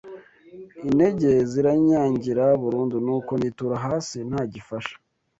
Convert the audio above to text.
intege ziranyangira burundu, nuko nitura hasi nta gifasha